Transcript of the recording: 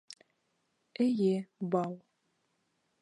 Эйе, бау.